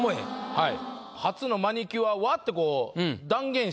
はい。